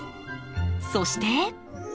そして。